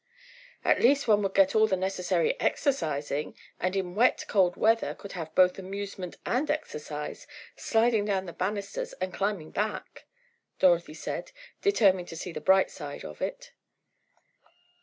"At least, one would get all the necessary exercising, and in wet, cold weather, could have both amusement and exercise, sliding down the banisters and climbing back," Dorothy said, determined to see the bright side of it.